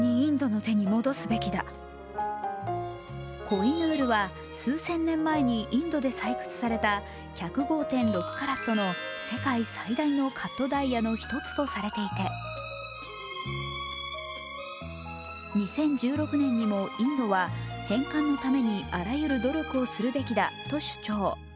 コイヌールは数千年前にインドで採掘された１０５．６カラットの世界最大のカットダイヤの一つとされていて２０１６年にもインドは、返還のためにあらゆる努力をするべきだと主張。